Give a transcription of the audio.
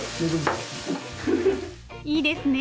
いいですね。